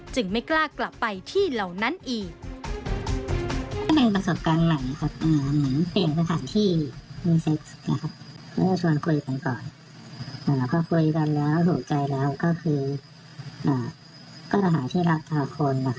ไม่กล้ากลับไปที่เหล่านั้นอีก